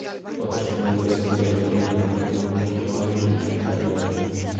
Otros prohombres habituales fueron el banquero Manuel Girona o el general Huerta.